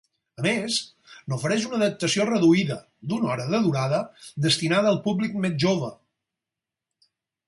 A més, n'ofereix una adaptació reduïda, d'una hora de durada, destinada al públic més jove.